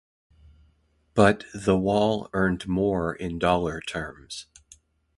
But "The Wall" earned more in dollar terms.